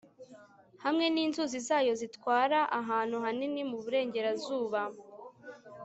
hamwe n'inzuzi zayo zitwara ahantu hanini mu burengerazuba